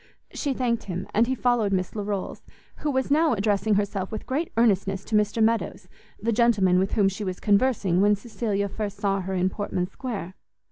She thanked him, and he followed Miss Larolles; who was now addressing herself with great earnestness to Mr Meadows, the gentleman with whom she was conversing when Cecilia first saw her in Portman Square.